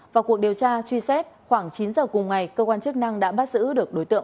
vào cuộc điều tra truy xét khoảng chín giờ cùng ngày cơ quan chức năng đã bắt giữ được đối tượng